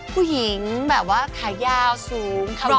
ผู้หญิงแบบว่าขายาวสูงครับ